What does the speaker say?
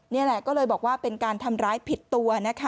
นี่แหละก็เลยบอกว่าเป็นการทำร้ายผิดตัวนะคะ